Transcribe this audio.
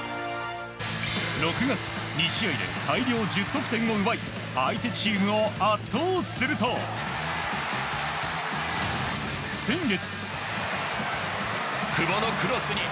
６月、２試合で大量１０得点を奪い相手チームを圧倒すると先月、久保のクロスに。